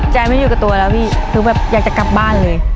ใจไม่อยู่กับตัวแล้วพี่คือแบบอยากจะกลับบ้านเลย